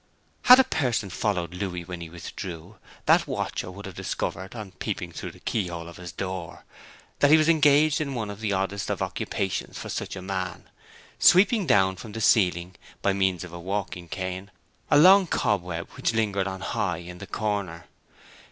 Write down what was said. Had a person followed Louis when he withdrew, that watcher would have discovered, on peeping through the key hole of his door, that he was engaged in one of the oddest of occupations for such a man, sweeping down from the ceiling, by means of a walking cane, a long cobweb which lingered on high in the corner.